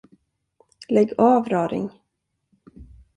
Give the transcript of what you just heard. Lägg av, raring.